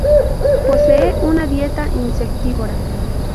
Posee una dieta insectívora.